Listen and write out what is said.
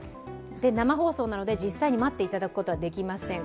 生放送なので実際に待っていただくことはできません。